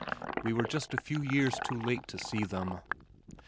We were just a few years too late to see them.